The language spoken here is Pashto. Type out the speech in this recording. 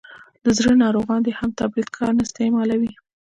دزړه ناروغان دي هم ټابلیټ کا نه استعمالوي.